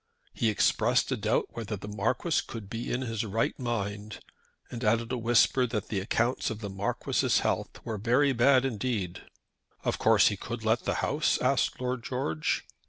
He expressed a doubt whether the Marquis could be in his right mind, and added a whisper that the accounts of the Marquis's health were very bad indeed. "Of course he could let the house?" asked Lord George.